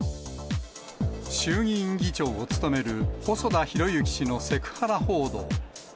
衆議院議長を務める細田博之氏のセクハラ報道。